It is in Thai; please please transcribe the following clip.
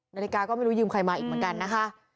นาฬิกาก็ไม่รู้ยืมใครมาอีกเหมือนกันนะคะ